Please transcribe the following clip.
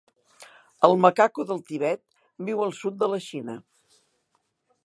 El macaco del Tibet viu al sud de la Xina.